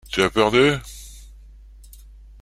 Tu as peur d’eux ?